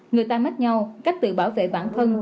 người ta mất nhau cách tự bảo vệ bản thân